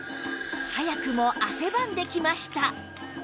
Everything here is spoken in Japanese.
早くも汗ばんできました